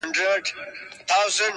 پوليس کور پلټي او هر کونج ته ځي,